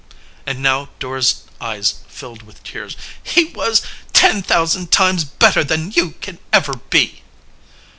and now Dora's eyes filled with tears. "He was ten thousand times better than you can ever be!"